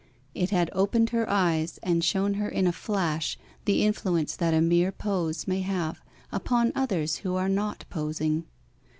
It had opened her eyes, and shown her in a flash the influence that a mere pose may have upon others who are not posing.